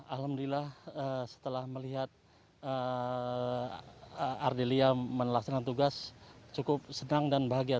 alhamdulillah setelah melihat ardelia melaksanakan tugas cukup senang dan bahagia